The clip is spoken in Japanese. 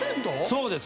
そうです